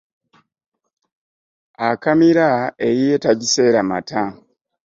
Akamira eyiye tagiseera mata.